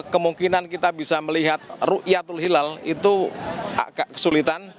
kemungkinan kita bisa melihat rukiatul hilal itu agak kesulitan